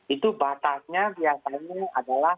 itu batasnya biasanya adalah